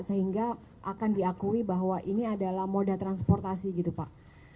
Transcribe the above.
sehingga akan diakui bahwa ini adalah moda transportasi gitu pak